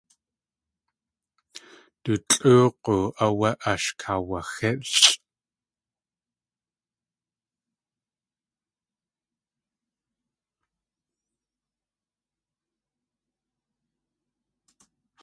Du tlʼóog̲u áwé ash kaawaxílʼ.